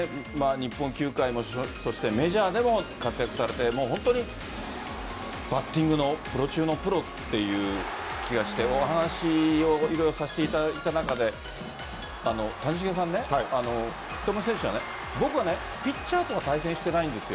日本球界そしてメジャーでも活躍されてバッティングのプロ中のプロという気がしてお話をさせていただいた中で福留選手は、僕はピッチャーとは対戦していないんです。